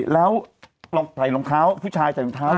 แล้วใส่รองเท้าผู้ชายใส่รองเท้าด้วย